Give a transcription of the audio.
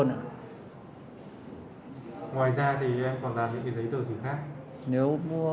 ngoài ra thì em còn làm những giấy tờ gì khác